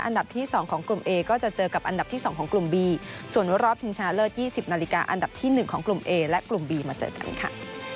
อันดับที่๒ของกลุ่มเอก็จะเจอกับอันดับที่๒ของกลุ่มบีส่วนรอบชิงชนะเลิศ๒๐นาฬิกาอันดับที่๑ของกลุ่มเอและกลุ่มบีมาเจอกันค่ะ